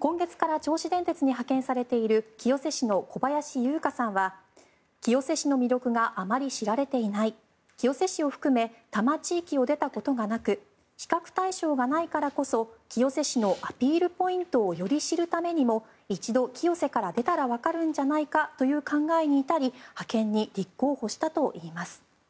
今月から銚子電鉄に派遣されている清瀬市の古林夕佳さんは清瀬市の魅力があまり知られていない清瀬市を含め多摩地域を出たことがなく比較対象がないからこそ清瀬市のアピールポイントをより知るためにも一度、清瀬から出たらわかるんじゃないかという考えに至り派遣に立候補したといいます。